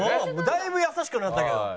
だいぶ優しくなったけど。